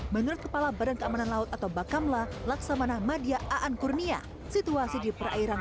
menurut kepala badan keamanan laut atau bakamla laksamana madia aan kurnia situasi di perairan